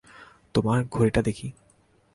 তোমার ঘড়িটা দেখি?